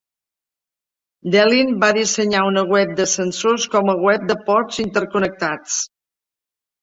Delin va dissenyar una web de sensors com a web de pods interconnectats.